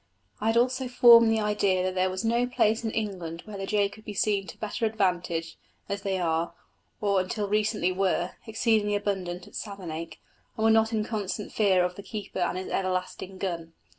I had also formed the idea that there was no place in England where the jay could be seen to better advantage, as they are, or until recently were, exceedingly abundant at Savernake, and were not in constant fear of the keeper and his everlasting gun.